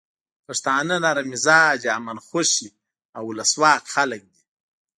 پښتانه نرم مزاجه، امن خوښي او ولسواک خلک دي.